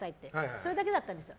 それだけだったんですよ。